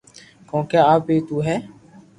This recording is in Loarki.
ڪونڪھ آپ ھي تو ھي